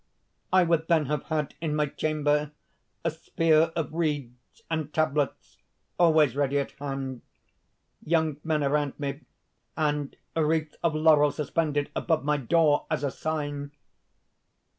I would then have had in my chamber a sphere of reeds, and tablets always ready at hand, young men around me, and a wreath of laurel suspended above my door, as a sign.